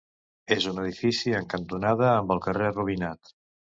És un edifici en cantonada amb el carrer Rubinat.